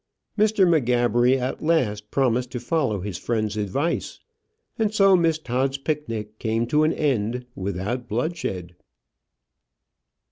Mr. M'Gabbery at last promised to follow his friend's advice, and so Miss Todd's picnic came to an end without bloodshed.